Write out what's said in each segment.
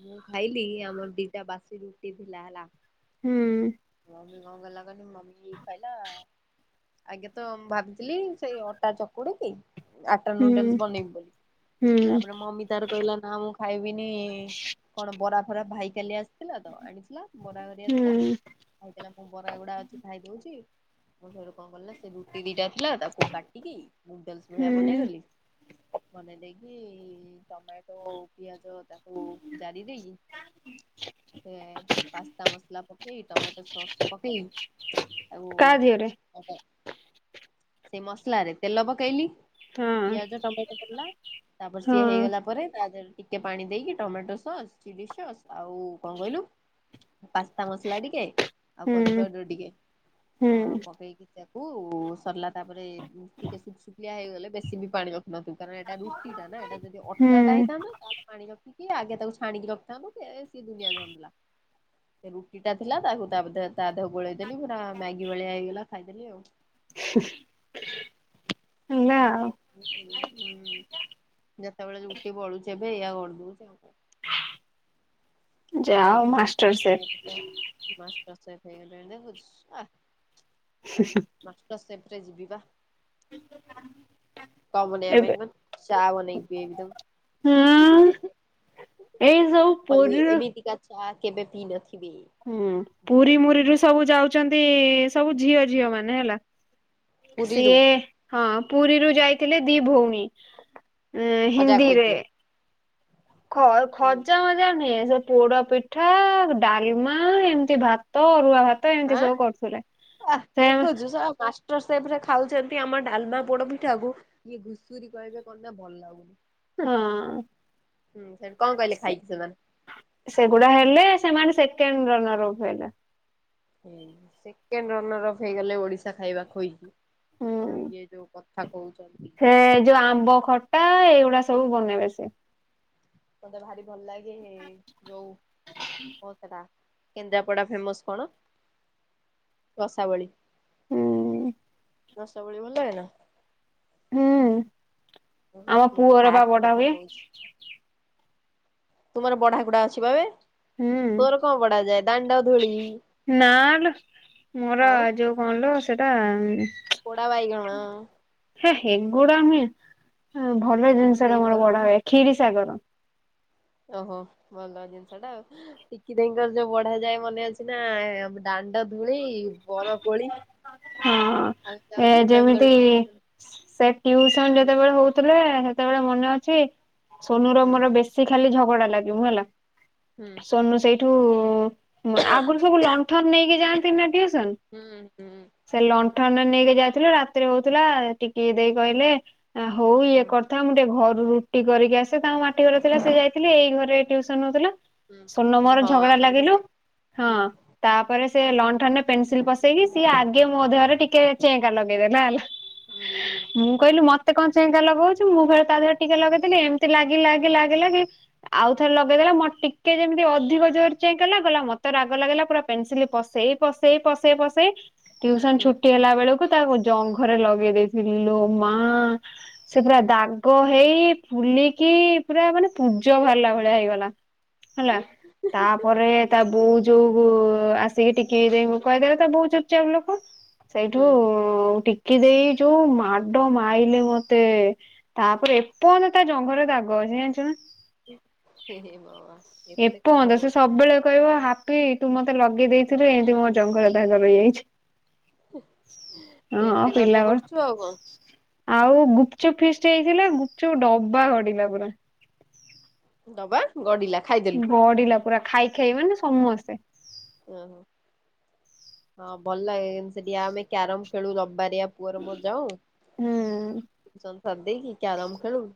ମୁଁ ଖାଇଲି ଆମର ଦିଟା ବାସି ରୁଟି ଥିଲା ହେଲା। ହୁଁ। ମମି କଣ ଗଲା କହିଲୁ ମମି ଖାଇଲା ଆଜ୍ଞା ତ ମୁଁ ଭାବିଥିଲି ସେଇ ଅଟା ଚକୁଡିକି ଆଟା ହୁଁ ନୁଡଲ୍ସ ବନେଇବି ବୋଲି ହୁଁ ତାପରେ ମମି ତାର କହିଲା ନା ମୁଁ ଖାଇବିନି କଣ ବରା ଫରା ଭାଇ କାଲି ଆସିଥିଲା ତ ଆଣିଥିଲା। ବରା ହରୀଆ ଥିଲା। ହୁଁ ଖାଇଥିଲା ମୁଁ ବରା ଗୁଡା ଅଛି ଖାଇଦଉଛି ମୁଁ ସେଠୁ କଣ କଲି ନା ସେ ରୁଟି ଦିଟା ଥିଲା ତାକୁ କା ଟିକି ଲୁଡଲସ୍‌ ଭଳିଆ ବନେଇ ହୁଁ ଦେଲି। ବନେଇ ଦେଇକି ଟମାଟୋ ଉ ପିଆଜ ତାକୁ ଜାରି ଦେଇକି ସେ ପାସ୍ତା ମସଲା ପକେଇ ଟମାଟୋ ସସ୍ ପକେଇ ଆଉ କାହା ଝିଅରେ ସେଇ ମସଲା ରେ ତେଲ ପକେଇଲି। ହଁ ପିଆଜ ଟମାଟୋ ପଡ଼ିଲା ତାପରେ ସିଏ ହଁ ହେଇଗଲା ପରେ ତା ଦେହରେ ଟିକେ ପାଣି ଦେଇକି ଟମାଟୋ ସସ୍ ଚିଲି ସସ୍ ଆଉ କଣ କହିଲୁ ପାସ୍ତା ମସଲା ଟି କେ ଆଉ ହୁଁ କରିପାଉଡର ଟିକେ ଆ ପକେଇକି ତାକୁ ସରିଲା ତାପରେ ଟିକେ ସୁଖୁ ସୁଖିଆ ହେଇଗଲେ ବେଶୀ ବି ପାଣି [unintelligible] କାରଣ ଏଟା ରୁଟୀ ଟା ନା ଏଟା ଯଦି ଅଟା ଟା ହୁଁ ହେଇଥାନ୍ତା ତାହେଲେ ପାଣି ରଖି ଟି ଆଗେ ତାକୁ ଛାଣିକି ରଖିଥାନ୍ତ ସିଏ ସିଏ ଦୁନିଆ ଝାମେଲା ସେ ରୁଟି ଟା ଥିଲା ତାକୁ ତା ବଧେ ତା ଦେହ ଗୋଳେଇ ଦେଲି ପୁରା ମ୍ୟାଗି ଭଳିଆ ହେଇଗଲା ଖାଇଦେଲି ଆଉ। ନା [unintelligible] ହୁଁ ଯେତେବେଳେ ରୁଟି ବଳୁଛି ଏବେ ଏଇଆ କରିଦୋଉ [unintelligible] ଯାହା ହୋଉ ମ୍ୟାଗି ମାଷ୍ଟର ଖାଇବାକୁ ସେଫ। ତ ମାଷ୍ଟର ସେଫ ହେଇ ଗଲେନି ଦେଖୁଛୁ। [unintelligible] ମାଷ୍ଟର ସେଫରେ ଜିବିପା। [unintelligible] କ ବନେଇବା ପାଇଁ ଏବେ କଣ ଚା ବନେଇକ ପିଏ ହଁ ଏକଦମ। ଏଇ ଯୋଉ ପୁରୀରୁ ଚା କେବେ ପିଇ ନଥିବେ? ହୁଁ ପୁରୀ ଜୀବନରେ ମୁରିରୁ ସବୁ ଯାଉଛନ୍ତି ସବୁ ଝିଅ ଝିଅ ମାନେ ହେଲା। ପୁରୀରୁ ସିଏ ହଁ ପୁରୀରୁ ଯାଇଥିଲେ ଦି ଭଉଣୀ। ହଁ ଖଜା ହିନ୍ଦୀରେ। ଖୋଇଥିବେ ଖ ହୁଁ। ଖର୍ଜା ମଜା ନୁହେଁ [unintelligible] ପୋଡା ପିଠା ଡାଲମା ଏମିତି ଭାତ ଅରୁଆ ଭା ଆଁ ଦେଖୁଛୁ ଶଳା ମାସ ରେ ଖାଉଛନ୍ତି ଆମ ଡାଲମା ପୋଡ ପିଠା କୁ [inaudible] ଠି କଣ ହଁ କହିଲେ ଖାଇକି ସେମାନେ? ସେଗୁଡା ହେଲେ ସେମାନେ ସେକେଣ୍ଡ ରନର୍ ଉଠେଇଲା। ସେକେଣ୍ଡ ରନର ଅଫ ହେଇଗଲେ ଓଡିଶା ଖାଇବା ଖୋଇକି ଆଉ ହୁଁ ଇଏ ଯୋଉ ତାଙ୍କୁ ସେ ଯୋଉ ଆମ୍ବ ଖଟା ଏଇଗୁଡା ସବୁ ବନେଇବେ ସେ। ମତେ ଭାରି ଭଲ ଲାଗେ ଯୋଉ ହ ସେଟା କେନ୍ଦ୍ରାପଡା ଫେମସ କଣ? ରଷାବଳି। ହୁଁ ରସାବଳି ଭଲ ଲାଗିଲା? ହୁଁ ହୁଁ। ଆମ ମୁଁ ପୁଅର ବା ଫ୍ୟାକ୍ଟ ବଢା କଥା ହୁଏ। କହୁଛି। ତୁମର ବଢା କୁଡା [unintelligible] ହୁଁ ତୋର କଣ ବଢାଯାଏ ଦାଣ୍ଡ ଧୂଳି ଆଉ। କଣଲୋ ସେଇଟା ପୋଡ଼ା ବାଇଗଣ। ହେ ସେଗୁଡା ନୁହେଁ, ଭଲ ଟିକି ଜିନିଷଟା ଆମର ଦେଇଙ୍କର ବଢା ହୁଏ ଖରି ସାଗର। ଓହୋ ଭଲ ଜିନିଷ ଟେ ଆଉ। ଟିକି ଦେଇଙ୍କର ଯୋଉ ବଢା ଯାଏ ମନେ ଅଛି ନା ଦାଣ୍ଡ ଧୂଳି ବରକୋଳି। ହଁ ଏ ଯେମିତି ସେ ଟିୁସନ ଯେତେବେଳେ ହଉ ଥିଲେ ସେତେବେଳେ ମନେ ଅଛି ସୋନୁ ର ମୋର ବେଶୀ ଖାଲି ଝଗଡା ଲାଗିବୁ ହେଲା। ହୁଁ। ସୋନୁ ସେଇଠୁ ଆଗରୁ ସବୁ ଲଣ୍ଠନ ନେଇକି ଯାଆନ୍ତି ନା ଟିଉସନ୍? ହୁଁ ହୁଁ। ସେ ଲଣ୍ଠନ ନେଇକି ଯାଇଥିଲୁ ରାତିରେ ହଉଥିଲା ଟିକିଦେଇ କହିଲେ ଆ ହଉ ଇଏ କଥା ମୁଁ ଟିକେ ଘରୁ ରୁଟି କରିକି ଆସେ ତାଙ୍କ ମାଟି ଘରେ ଥିଲା ସେ ଯାଇଥିଲେି ଏଇ ଘରେ ଟିଉସନ ହଉଥିଲା ସୋନୁ ର ମୋର ଝଗଡା ଲାଗିଲୁ, ହଁ ତାପରେ ସେ ଲଣ୍ଠ ରେ ପେନସିଲ ପସେଇକି ସିଏ ଟିକେ ମୋ ଦେହରେ ଟିକେ ଚେହେଙ୍ଗା ଲଗେଇଦେଲା ହେଲା। ମୁଁ କହିଲି ମତେ କଣ ଚେଙ୍କା ଲଗଉଛି ମୁଁ ଘରେ ତା ଦେହରେ ଟିକେ ଲଗେଇଦେଲି ଏମିତି ଲାଗି ଲାଗି ଲାଗି ଲାଗି ଆଉ ଥରେ ଲଗେଇଦେଲା ମୋର ଟିକେ ଯେମିତି ଅଧିକ ଜୋର ଚାଁ କଲା ଗଲା ମତେ ରାଗ ଲାଗିଲା ପୁରା ପେନ୍ ସିଲ୍ ପସେଇ ପସେଇ ପସେଇ ପସେଇ ଟ୍ୟୁସନ ଛୁଟି ହେଲା ବେଳକୁ ତାକୁ ଜଙ୍ଘରେ ଲଗେଇ ଦେଇେଇଥିଲି ଲୋ ମା ସେ ପୁରା ଦାଗ ହେଇ ଫୁଲିକି ପୁରା ମାନେ ପୂଜ ବାହାରିଲା ଭଳିଆ ହେଇଗଲା। ହେଲା ତାପରେ ତା ବୋଉ ଯୋଉ ଆ ସେ ଟିକି ଦେଇକୁ କହି ଦେବେ ତ ବହୁ ଚୁପ୍ ଚାପ ଲୋକ, ସେଇଠୁ କି ଦେଇ ଯୋଉ ମାଡ଼ ମାଇଲେ ମତେ ତାପରେ ଏପର୍ଯ୍ୟନ୍ତ ତା ଜଙ୍ଘରେ ଦାଗ ହେଇ ଯାଇଛି ଜାଣିଛୁ ନା? ସେ ନ ଏପର୍ନ୍ତ ସେ ସବୁବେଳେ କହିବ ହାପି ତୁ ମତେ ଲଗେଇ ଦେଇ ଥିଲୁ ଏମିତି ମୋ ଜଙ୍ଘରେ ଦାଗ ରହିଯାଇଛି। ତୁ ହଁ ଏତେ କାଣ୍ଡ ପିଲାବେଳେ କରୁଛୁ ଆଉ କଣ। ଆଉ ଗୁପ୍ ଚୁପ୍ ଫିଷ୍ଟ ହେଇଥିଲା ଗୁପ୍ ଚୁପ୍ ଡବା ଗଡିଲା ପୁରା। ଡବା ଗଡିଲା ଖାଇଦେଲୁ? ଗଡିଲା ପୁରା ଖାଇ ଖାଇ ମାନେ ସମସ୍ତେ। ଓହୋ। ହଁ ଭଲ ଲାଗେ ସେଠୀ ଆମେ କ୍ୟାରମ୍ ଖେଳୁ ରବାରିଆ ପୁଅର ମୋର ହୁଁ। ଯୋଉ କରିଦେଇକି କ୍ୟାରେମ୍ ଖେଳୁ।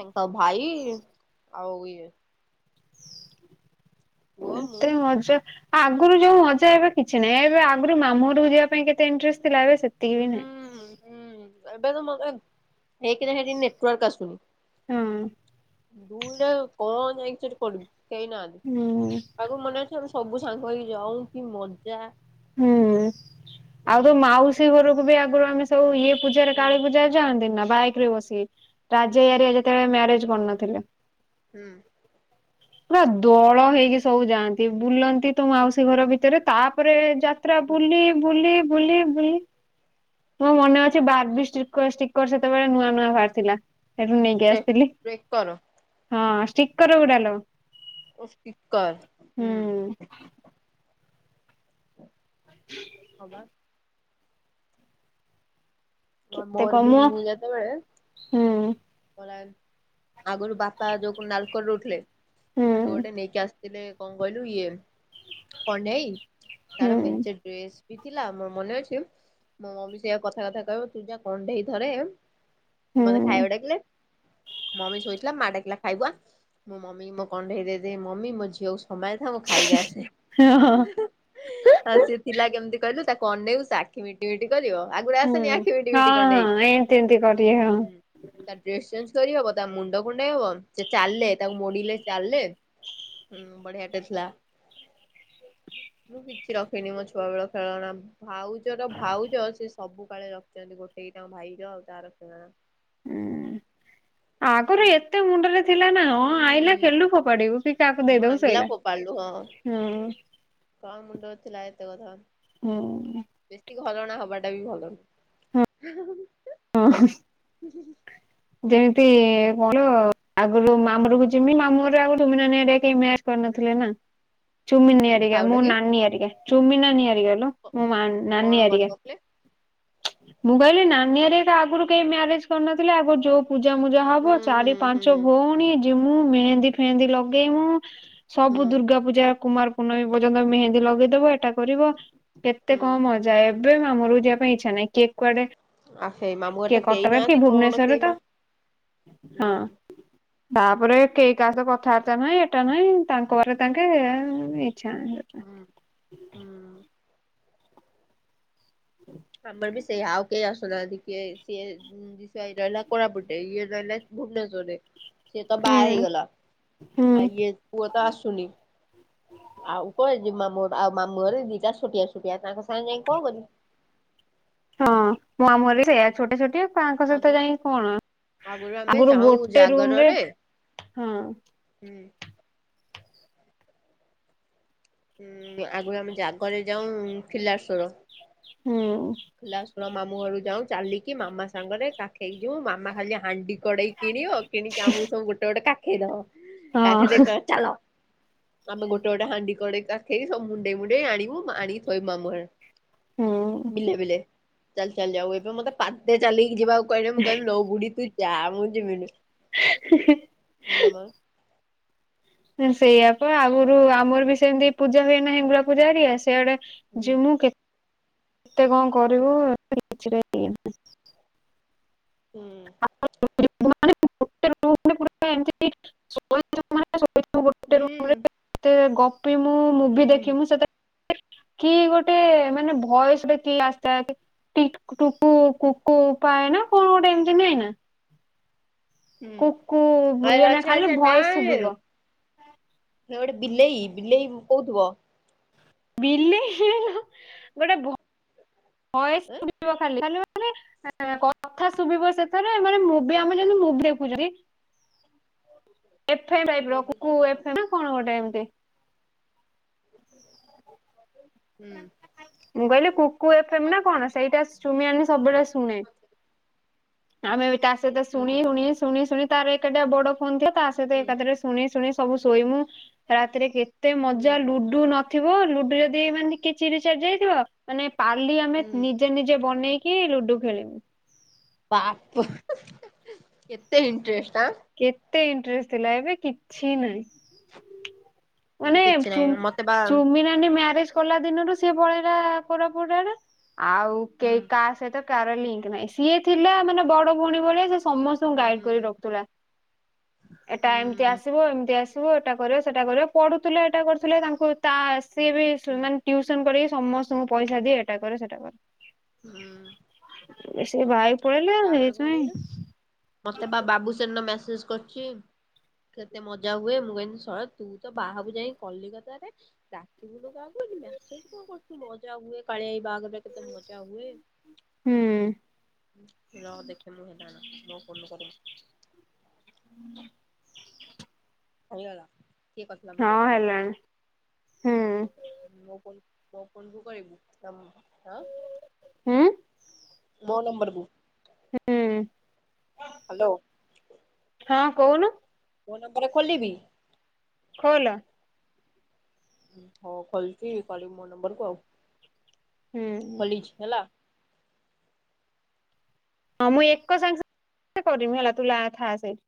ତାଙ୍କ ଭାଇ ଆଉ ଇଏ ପୁଅ ମୁଁ ଏତେ ମଜା ଆଗରୁ ଯୋଉ ମଜା ଏବେ କିଛି ନାହିଁ। ଏବେ ଆଗରୁ ମାମୁଁ ଘରକୁ ଯିବା ପାଇଁ କେତେ ଇଣ୍ଟ୍ରେଷ୍ଟ ଥିଲା ଏବେ ସେ ହୁଁ ହୁଁ। ଏବେ ତ ମତେ ଏକରେ ହେଠି ନେଟୱାର୍କ ଆସୁନି ହଁ। ଦୁଲେ କଣ ଯାଇ ସେଠି ପଡିବୁ? କେହି ନାହାନ୍ତି ହୁଁ ତାକୁ ମନେ ଅଛି ଆମେ ସବୁ ସାଙ୍ଗ ହେଇକି ଯାଉ କି ମଜା ହୁଁ ହୁଁ ଆଉ ତୋ ମାଉସୀ ଘରକୁ ବି ଆଗରୁ ଆମେ ସବୁ ଇଏ ପୂଜାରେ ହୁଁ କାଳୀ ପୂଜାରେ ଯାଆନ୍ତି ନା ବାଇକ୍ ରେ ବସି ରାଜା ଭାଇ ହେରିଗା ଯେତେବେଳେ ମ୍ୟାରେଜ୍ କରିନଥିଲେ। ହୁଁ। ପୁରା ଦୋଳ ହେଇକି ସବୁ ଯାଆନ୍ତି। ବୁଲନ୍ତି ତ ହୁଁ ମାଉସୀ ଘର ଭିତରେ ତାପରେ ଯା ପୁରା ହୁଁ ବୁଲି ବୁଲି ବୁଲି ବୁଲି, ମୋ ମନେ ଅଛି ବାର୍ବି ସ୍ପିକର ସି ଷ୍ଟିକ୍ ସ୍ଟିକର ସେତେବେଳେ ନୂଆ ନୂଆ ବାହାରି ଥିଲା ସେଠୁ ନେଇକି ଷ୍ଟେ ଆସିଥିଲି। ଟ୍ରେକର ହଁ ଷ୍ଟିକର ଗୁଡାଲୋ। ଓ ସ୍ଟିକର, ହୁଁ। ହଁବା। କେତେ ମୋର କମ ବି ମୁଁ ଯା ହୁଁ ସେତବେଳେ ଆଗରୁ ବାପା ଯୋଉ କ ନଲ୍କୋରେ ରହୁଥିଲେ ହୁଁ ସେଠୁ ଗୋଟେ ନେଇକି ଆସିଥିଲେ କଣ କହିଲୁ ଇଏ କଣ୍ଢେଇ ତାର ହୁଁ ମେଞ୍ଚେ ଡ୍ରେସ୍ ବି ଥିଲା ମୋର ମନେ ଅଛି ମୋ ମମି ସେଇଆକୁ କଥା କଥା ରେ କହିବ ପୂଜା କଣ୍ଢେଇ ଥରେ ମତେ ହୁଁ ଖାଇବା ଡାକିଲେ ମମି ଶୋଇଥିଲା ମା ଡାକିଲା ଖାଇବୁ ଆ, ମୁଁ ମମି ମୋ କଣ୍ଢେଇ ଦେଇ ଦେଇକି ମମି ମୋ ଝିଅକୁ ସମ୍ଭାଳେ ଥା ମୁଁ ଖାଇକି ଆସେ, ତାପରେ ସେ ହୁଁ ହଁ ଥିଲା କେମତି କହିଲୁ, ତାକୁ ଅନେଇଲୁ ସେ ଆ ଖି ମିଟି ମିିଟି କରିବ ଆଗୁରୁ ଆସେନି ଆ ହଁ ହଁ ଏମିତି ଏମିତି କରିବେ ହଁ। ହୁଁ ତା ଡ୍ରେସ୍ ଚେଞ୍ଜ୍ କରିହବ ତା ମୁଣ୍ଡ କୁଣ୍ଡେଇ ହବ ସେ ଚାଲେ ତାକୁ ମୋଡିଲେ ଚାଲେ। ହ [unintelligible] ହୁଁ ବଢିଆ ଟେ ଥିଲା। ମୁଁ କିଛିି ରଖିନି ମୋ ଛୁଆବେଳ ଖେଳଣା। ଭାଉଜର ଭାଉଜ ସେ ସବୁ କାଳେ ରଖିଛନ୍ତି ଗୋଟେଇକି ତାଙ୍କ ଭାଇର ଆଉ ତାର ଖେଳନା। ହୁଁ ଆଗରୁ ଏତେ ମୁଣ୍ଡରେ ଥିଲା ନା ହଁ ହୁଁ ଆଇଲା ଖେଳିଲୁ ଫୋପାଡିବୁ। କାହାକୁ ଦେଇଦବୁ ଭାଙ୍ଗିଲା ସଇଲା। ଫୋପାଡିଲୁ ହଁ ହୁଁ କଣ ମୁଣ୍ଡ ଥିଲା ଏତେ କଥା। ହୁଁ। ବେଶୀ ଘରଣା ହବାଟା ବି ଭଲ ନୁହଁ। ହଁ। ଯେମିତି କଣ ଆଗରୁ ମାମୁଁ କୁ ଯିମି ମାମୁଁ ଆଗରୁୁ ଚୁମି ନାନି ହେରିକା କେହି କରିନଥିଲେ ନା ଚୁମିନି ହେରିକା କାଉଟା ମୋ କି ନାନୀ ହେରିକା। ଚୁମି ନାନୀ ହାରିକା ଲୋ ମୋ ନାନୀ କଣ ହରିକା। କରିନଥିଲେ ମୁଁ କହିଲି ନାନୀ ହାରିକା ଆଗରୁ କେହି ମ୍ୟାରେଜ କରିନଥିଲେ। ଆଗରୁ ଯୋଉ ପୂଜା ମୂଜା ହୁଁ ହବ ଚାରି ହୁଁ ପାଞ୍ଚ ଭଉଣୀ ଯିମୁ ମେହେନ୍ଦୀ ଫେହେନ୍ଦୀ ଲଗେଇମୁଁ। ହୁଁ ସବୁ ଦୁର୍ଗା ପୂଜା କୁମାର ପୂର୍ଣ୍ଣମୀ ପର୍ଯ୍ୟନ୍ତ ମେହେନ୍ଦୀ ଲଗେଇଦବ ଏଟା କରିବ କେତେ ହୁଁ କଣ ମ ଯାଏ ଏବେ ମାମୁଁ ଘର ଯିବା ପାଇଁ ଇଛା ନାହିଁ କିଏ କୁଆଡେ ଆଫେ କିଏ କଟକ ରେ କିଏ ଭୁବନେଶ୍ଵରରେ ତ ହଁ। ହୁଁ ତାପରେ କେହି କାହା ସହ କଥାବାର୍ତ୍ତା ନାହିଁ ଏଟା ନାହିଁ ତାଙ୍କ ଘରେ ତାଙ୍କେ ହେ ଇଛା ନାହିଁ। ହୁଁ ହୁଁ। ଆମର ବି ସେଇଆ ଆଉ କେହି ଆସୁନାହାନ୍ତି କିଏ ସିଏ। ସେଇ ରହିଲା କୋରାପୁଟେ ଇଏ ରହିଲା ଭୁବନେଶ୍ୱରରେ। ସିଏ ତ ବାହା ହୁଁ ହେଇଗଲା ହୁଁ ଆଉ ଇଏ ପୁଅ ତ ଆସୁନି। ଆଉ କଣ ଅଛି ମାମୁଁ ଆଉ ମାମୁଁ ଘରେ ଦିଟା ଛୋଟିଆ ଛୋଟିଆ ତାଙ୍କ ସାଙ୍ଗେ ଯାଇ କଣ କରିବୁ। ହଁ ମାମୁଁ ଘର ବି ସେଇଆ ଛୋଟ ଛୋଟିଆ। ତାଙ୍କ ସହିତ ଆଗରୁ ଯାଇ କଣ ଆମେ ଆଗରୁ ଯାଉ ଗୋଟେ ରୁମ୍ ରେ ଜାଗରରେ ହଁ। ହୁଁ। ଉଁ ଆଗରୁ ଆମେ ଜାଗରେ ଯାଉ ଖିଲାଶ୍ଵର। ହୁଁ। ଲାଷ୍ଟ ଥର ମାମୁଁ ଘରୁ ଯାଉ ଚାଲିକି ମାମା ସାଙ୍ଗରେ କାଖେଇକି ଯିବୁ ମାମା ଖାଲି ହାଣ୍ଡି କଡେଇ କିଣିବ। କିଣିକି ଆମକୁ ସବୁ ଗୋଟେ ଗୋଟେ କାଖେଇ ଦବ ହଁ କାଖେଇ ଦେଇ କି କହିବ ଚାଲ। ଆମେ ଗୋଟେ ଗୋଟେ ହାଣ୍ଡି କଡେଇ କାଖେଇକି ସବୁ ମୁଣ୍ଡେଇ ମୁଣ୍ଡେଇ ଆଣିବୁ ଆଣିକି ଥୋଇବୁ ମାମୁଁ ଘରେ। ହୁଁ। ବିଲେ ବିଲେ ଚାଲି ଚାଲିି ଯାଉ ଏବେ ମତେ ପାଦେ ଚାଲି ଯିବାକୁ କହିଲେ ମୁଁ କହିବି ଲୋ ବୁଡ଼ି ତୁ ଯା ମୁଁ ଯିବିନି ଜମା। ସେୟା ପା କଣ ଆଗରୁ ଆମର ବି ସେମିତି ପୂଜା ହୁଏ ନାହିଁ [unintelligible] ସେଆଡେ। ହୁଁ ଯେ ମୁଁ କେତେ କଣ କରିବୁ [unintelligible] ହୁଁ। ଏମତି ହୁଁ [unintelligible] ବି ମୁଁ ମୁଭି ହୁଁ ଦେଖି ମୁଁ ସେତେ କି ଗୋଟେ ମାନେ ଭୟସରେ କି ଆସିଥାଏ। ଟିକୁ ଟୁକୁ କୁକୁ ପାଏ ନା କଣ ଗୋଟେ ଏମିତି ନାହିଁ ନା। କୁକୁ ହୁଁ ଇଏ ନା ଆଚ୍ଛା ଖାଲି ଆଚ୍ଛା ଭଏସ ନାଇଁ। ଶୁଭିବ ସେ ଗୋଟେ ବିଲେଇ ବିଲେଇ କହୁ ଥିବ। ବିଲେଇ ଗୋଟେ ଭଏସ। ଖାଲି ମାନେ କଥା ଶୁଭିବ ସେ ଆରେ ଏମାନେ ମୁଭି ଆମେ ଯେମତି ମୁଭିି ଦେଖୁଛନ୍ତି। ଏଫମ ଟାଇପର କୁକୁ ଏଫମ୍ ନା କଣ ଗୋଟେ ଏମତି। ହୁଁ। ମୁଁ କହିଲି କୁକୁ ଏଫମ୍ ନା କଣ ସେଇଟା ଚୁମି ନାନି ସବବେଳେ ଶୁଣେ। ଆମେ ଏବେ ତା ସହିତ ଶୁଣି ଶୁଣି ଶୁଣି ଶୁଣି ତାର ଏକାଟିଆ ବଡ ଫୋନ ଥିଲା ତା ସହିତ ଏକାଥରେ ଶୁଣି ଶୁଣି ସବୁ ଶୋଇମୁ ରାତିରେ କେତେ ମଜା ଲୁଡୁ ନ ଥିବୁ ଲୁଡୁ ଯଦି ମାନେ କିଛି ରିଚାର୍ଜ୍ ହେଇଥିବ ମାନେ ପାଲି ଆମେ ନିଜେ ନିଜେ ବନେଇକି କି ଲୁଡୁ ଖେଳିବୁ। ବାପ କେତେ ଇଣ୍ଟେରେଷ୍ଟ ଆଁ। କେତେ ଇଣ୍ଟରେଷ୍ଟ ଥିଲା ଏବେ କିଛି ନାହିଁ। ମାନେ ମୋର କିଛି ଚୁ ନାହିଁ ମତେ ବା ଚୁମିନାନି ମ୍ୟାରେଜ ଗଲା ଦିନରୁ ସିଏ ପଳେଇଲା କୋରାପୁଟ ଆଡେ ଆଉ ହୁଁ କେହି କା ସହିତ କାର ଲିଙ୍କ ନାଇଁ ସିଏ ଥିଲା ମାନେ ବଡ ଭଉଣୀ ଭଳିଆ ସେ ସମସ୍ତଙ୍କୁ ହୁଁ ଗାଇଡ କରି ରଖୁଥିଲା। ଏଟା ଏମିତି ହୁଁ ଆସିବ ଏମିତି ଆସିବ ଏଟା କରିବ ସେଟା କରିବ ପଢୁଥିଲେ ଏଟା କରୁଥିଲେ, ତାଙ୍କୁ ତା ସିଏ ବି ମାନେ ଟ୍ୟୁସନ କରିକି ସମସ୍ତଙ୍କୁ ପଇସା ଦିଏ, ଏଟା କରେ ସେଟା କରେ। ହୁଁ। ଏ ସେ ଭାଇ। ପଳେଇଲେ ତାପରେ କଣ ସେଇଥିପାଇଁ କହିଲୁ ମତେ ବା ବାବୁସେନ ମେସେଜ କରିଚି। କେତେ ମଜା ହୁଏ ମୁଁ କହିିନି ଶ ତୁ ତ ବାହାଘକୁ ଯାଇ କଲିକତାରେ। ରାତି ଗୁଲକ ଆଗ ମେସେଜ କଣ କରୁଛୁ ମଜା ହୁଏ କାଳିଆଇ ବାହାଘରରେ କେତେ ମଜା ହୁଏ। ହୁଁ। ରହ ଦେଖେ ମୁଁ ହେଲାନ ମୋ ଫୋନରୁ କରିମି। ହେଇଗଲା। କିଏ କରିଥିଲା ମୁଁ ହଁ କରିଥିଲି ନା ହେଲାଣି ହୁଁ। ମୋ ଫୋନ୍ ମୋ ଫୋନ ରୁ କରିବୁ ଆଁ। ହୁଁ ମୋ ନମ୍ବରକୁୁ। ହୁଁ। ହାଲୋ। ହଁ କହୁନୁ। ମୋ ନମ୍ବର ଖୋଲିବି। ଖୋଲ। ହଁ ଖୋଲଛି କରିବୁ ମୋ ନମ୍ବର କୁ ଆଉ ହୁଁ ଖୋଲିଛି ହେଲା। ହଁ ମୁଁ ଏକ ସାଙ୍ଗ ସାଙ୍ଗ କରିମି ହେଲା ତୁ ଲା ଥା ସେଇ।